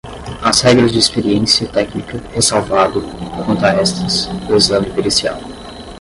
as regras de experiência técnica, ressalvado, quanto a estas, o exame pericial